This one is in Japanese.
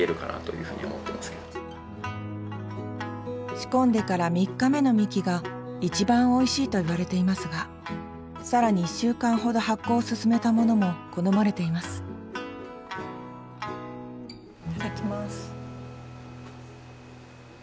仕込んでから３日目のみきが一番おいしいといわれていますが更に１週間ほど発酵を進めたものも好まれていますいただきます。